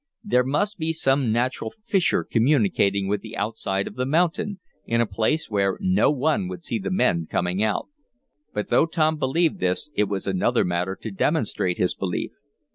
There must be some natural fissure communicating with the outside of the mountain, in a place where no one would see the men coming out." But though Tom believed this it was another matter to demonstrate his belief.